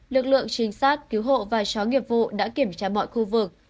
lực lượng trinh sát cứu hộ và chó nghiệp vụ đã kiểm tra mọi khu vực